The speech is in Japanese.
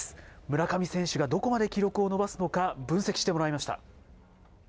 村上選手がどこまで記録を伸ばすのか、分析してもらいました。